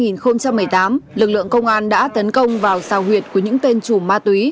năm hai nghìn một mươi tám lực lượng công an đã tấn công vào sao huyệt của những tên trùm ma túy